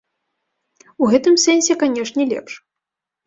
У гэтым сэнсе, канечне, лепш.